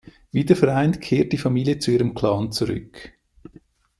Wieder vereint kehrt die Familie zu ihrem Clan zurück.